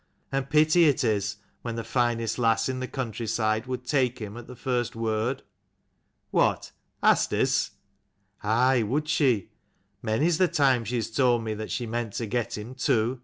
And pity it is, when the finest lass in the country side would take him at the first word." "What? Asdis?" " Aye would she. Many's the time she has told me that she meant to get him, too.